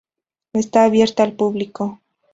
Está abierta al público.